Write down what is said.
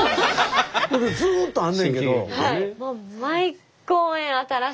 それでずっとあんねんけど。